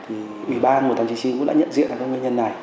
ủy ban mùa tháng chín cũng đã nhận diện ra các nguyên nhân này